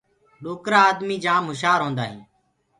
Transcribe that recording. ڏوڪرآ آدمي جآم هُشآر هوندآ هينٚ۔